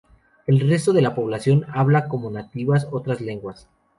El resto de la población hablaba como nativas otras lenguas.